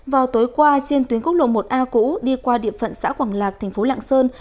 vào tối qua trên tuyến quốc lộ một a cũ đi qua địa phận xã quảng lạc thành phố lạng sơn